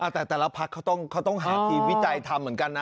แต่แต่ละพักเขาต้องหาทีมวิจัยทำเหมือนกันนะ